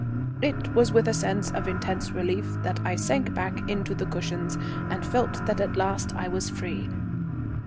It was with a sense of intense relief that I sank back into the cushions and felt that at last I was free.